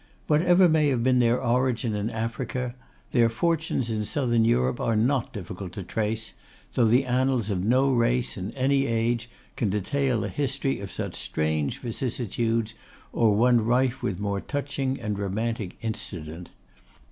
Whatever may have been their origin in Africa, their fortunes in Southern Europe are not difficult to trace, though the annals of no race in any age can detail a history of such strange vicissitudes, or one rife with more touching and romantic incident.